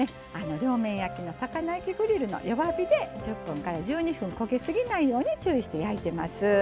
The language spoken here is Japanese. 両面焼きの魚焼きグリルの弱火で１０分から１２分焦げ過ぎないように注意して焼いてます。